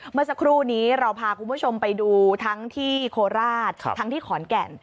เมื่อสักครู่นี้เราพาคุณผู้ชมไปดูทั้งที่โคราชทั้งที่ขอนแก่น